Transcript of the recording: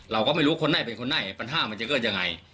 เราก็ไม่รู้คนใดเป็นคนใดปัญหามันจะเกิดอย่างไร